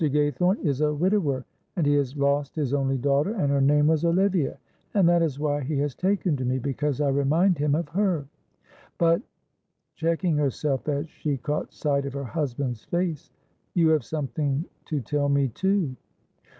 Gaythorne is a widower and he has lost his only daughter, and her name was Olivia, and that is why he has taken to me, because I remind him of her; but" checking herself as she caught sight of her husband's face "you have something to tell me too."